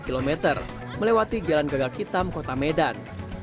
ketika berjalan berita terkini mengenai perjalanan ke medan